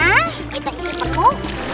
nah kita isi pepoh